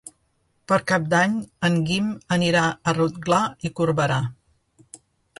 Per Cap d'Any en Guim anirà a Rotglà i Corberà.